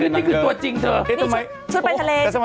นี่คือตัวจริงเธอ